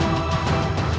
ya ini udah berakhir